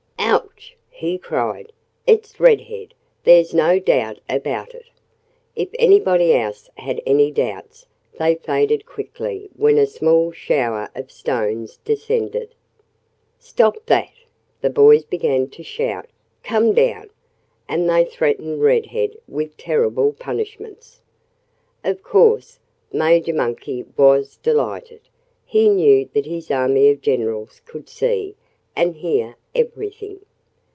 "Ouch!" he cried. "It's Red Head! There's no doubt about it." If anybody else had any doubts, they faded quickly when a small shower of stones descended. "Stop that!" the boys began to shout. "Come down!" And they threatened Red Head with terrible punishments. Of course, Major Monkey was delighted. He knew that his army of generals could see and hear everything.